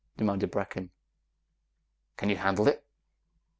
demanded Brecken. "Can you handle it?"